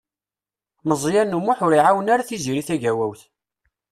Meẓyan U Muḥ ur iɛawen ara Tiziri Tagawawt.